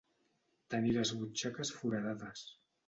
Tenir les butxaques foradades.